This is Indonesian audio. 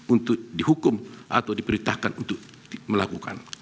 untuk dihukum atau diperintahkan untuk melakukan